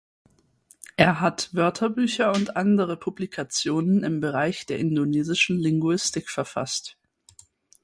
Er hat Wörterbücher und andere Publikationen im Bereich der indonesischen Linguistik verfasst.